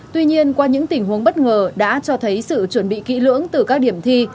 tuy nhiên qua những tình huống bất ngờ đã cho thấy sự chuẩn bị kỹ lưỡng từ các điểm thi